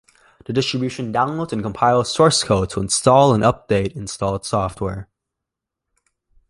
The distribution downloads and compiles source code to install and update installed software.